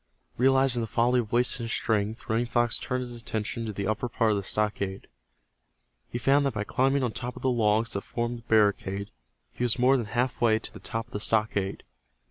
Realizing the folly of wasting his strength, Running Fox turned his attention to the upper part of the stockade. He found that by climbing on top of the logs that formed the barricade he was more than half way to the top of the stockade.